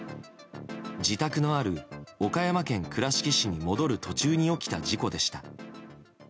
自宅のある岡山県倉敷市に戻る途中に起きた事故でした。